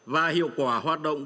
và hiệu quả hoạt động